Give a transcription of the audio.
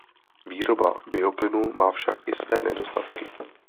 Výroba bioplynu má však i své nedostatky.